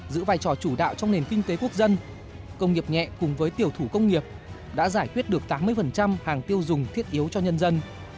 giữ vai trò chủ đạo trong nền kinh tế quốc dân công nghiệp nhẹ cùng với tiểu thủ công nghiệp đã giải quyết được tám mươi hàng tiêu dùng thiết yếu cho nhân dân